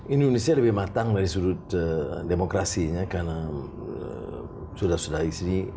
indonesia lebih matang dari sudut demokrasinya karena sudah sudah di sini